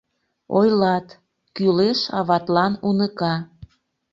Ойлат: кӱлеш аватлан уныка.